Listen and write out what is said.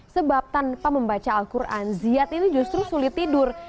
sebab tanpa membaca al quran ziyad ini justru sulit tidur